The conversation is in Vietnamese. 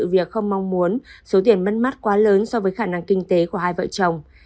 việc không mong muốn số tiền mất mát quá lớn so với khả năng kinh tế của hai vợ chồng